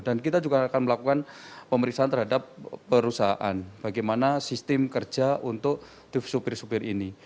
dan kita juga akan melakukan pemeriksaan terhadap perusahaan bagaimana sistem kerja untuk supir supir ini